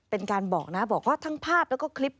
เป็นการบอกนะบอกว่าทั้งภาพแล้วก็คลิป